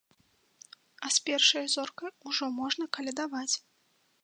А з першай зоркай ужо можна калядаваць.